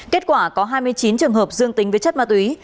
kết quả có hai mươi chín trường hợp dương tính với chất ma túy